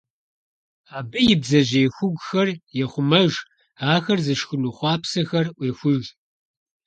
Абы и бдзэжьей хугухэр ехъумэж, ахэр зышхыну хъуапсэхэр Ӏуехуж.